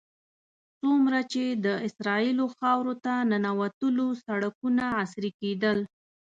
څومره چې د اسرائیلو خاورې ته ننوتلو سړکونه عصري کېدل.